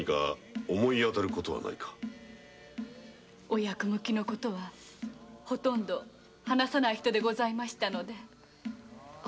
お役向きの事はほとんど話さない人でございましたので。